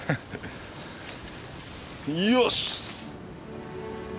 よし！